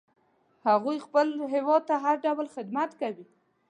هغوی خپل هیواد ته هر ډول خدمت کوي